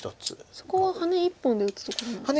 そこはハネ１本で打つところなんですね。